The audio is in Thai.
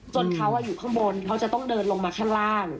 เขาอยู่ข้างบนเขาจะต้องเดินลงมาข้างล่าง